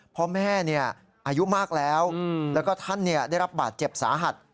พ่อแม่อายุมากแล้วแล้วก็ท่านได้รับบาดเจ็บสาหัส